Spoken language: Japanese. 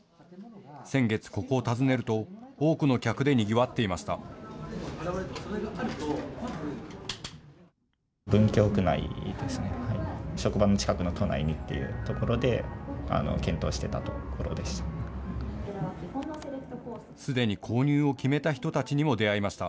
先月、ここを訪ねると多くの客でにぎわっていました。